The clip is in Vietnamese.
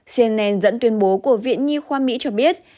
cnn dẫn tuyên bố của viện nhi khoa mỹ cho biết